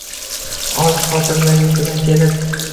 Olis xotiralar yurtidan kelib